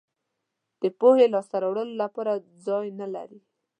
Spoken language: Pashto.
د پوهې لاسته راوړلو لپاره ځای نه لرئ.